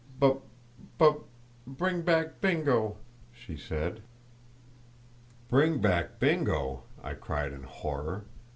"Bub bub bring back Bingo!" she said. "Bring back Bingo!" I cried, in horror.